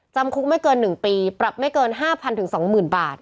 จำคุกไม่เกิน๑ปีปรับไม่เกิน๕๐๐๒๐๐๐บาท